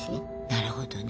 なるほどね。